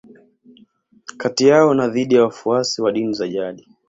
Kati yao na dhidi ya wafuasi wa dini za jadi